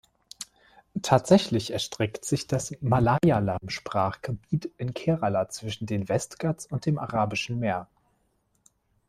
Tatsächlich erstreckt sich das Malayalam-Sprachgebiet in Kerala zwischen den Westghats und dem Arabischen Meer.